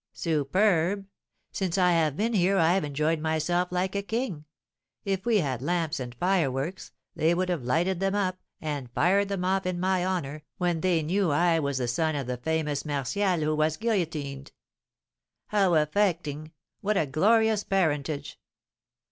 "Superb! Since I have been here I've enjoyed myself like a king. If we had lamps and fireworks, they would have lighted them up, and fired them off in my honour, when they knew I was the son of the famous Martial who was guillotined." "How affecting! What a glorious parentage!"